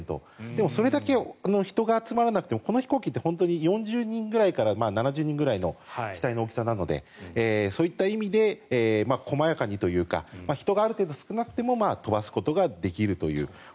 でもそれだけの人が集まらなくてもこの飛行機って４０人ぐらいから７０人くらいの機体の大きさなのでそういった意味で細やかにというか人がある程度少なくても飛ばすことができるという。